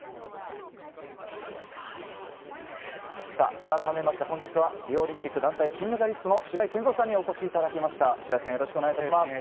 改めまして、本日はリオオリンピック団体金メダリストの白井健三さんにお越しいただきました。